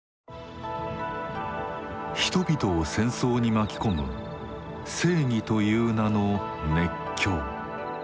人々を戦争に巻き込む正義という名の「熱狂」。